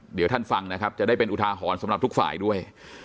เดี๋ยวท่านฟังนะครับจะได้เป็นอุทาหรณ์สำหรับทุกฝ่ายด้วย